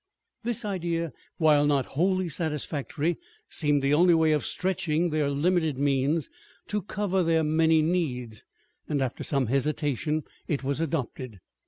This idea, while not wholly satisfactory, seemed the only way of stretching their limited means to cover their many needs; and, after some hesitation, it was adopted.